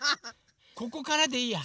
ここからでいいや。